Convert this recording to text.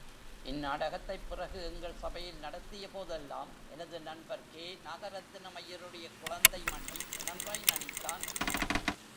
இந்நாடகத்தைப் பிறகு எங்கள் சபையில் நடத்தியபோதெல்லாம் எனது நண்பர் கே. நாகரத்தினம் ஐயருடைய குழந்தை மணி நன்றாய் நடித்தான்.